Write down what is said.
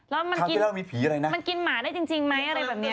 แล้วมันกินหมาได้จริงมั้ยอะไรแบบเนี้ย